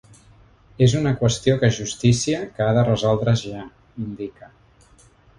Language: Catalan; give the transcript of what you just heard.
És una qüestió que justícia que ha de resoldre’s ja, indica.